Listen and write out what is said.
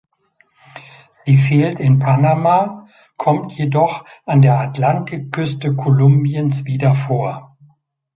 Sie fehlt in Panama, kommt jedoch an der Atlantikküste Kolumbiens wieder vor.